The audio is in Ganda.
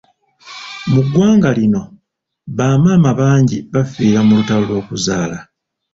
Mu ggwanga lino ba maama bangi bafiira mu lutalo lw'okuzaala.